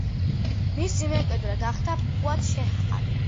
მისი მემკვიდრე გახდა ფუად შეჰაბი.